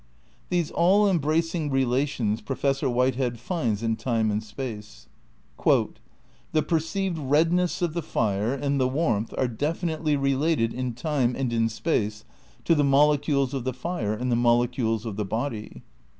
These all embracing relations Professor Whitehead finds in Time and Space. "The perceived redness of the fire and the warmth are definitely related in time and in space to the molecules of the fire and the molecules of the body."